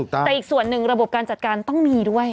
แต่อีกส่วนหนึ่งระบบการจัดการต้องมีด้วย